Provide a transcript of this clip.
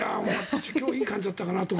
今日いい感じだったかなとか